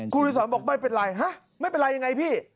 คุณอริสรบอกไม่เป็นไรฮะไม่เป็นไรยังไงพี่